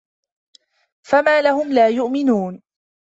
فَما لَهُم لا يُؤمِنونَ